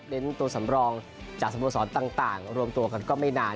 ตัวสำรองจากสโมสรต่างรวมตัวกันก็ไม่นาน